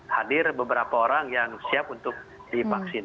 hadir beberapa orang yang siap untuk divaksin